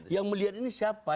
yang melihat ini siapa